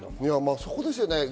そこですよね。